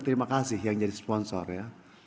terima kasih yang jadi sponsor ya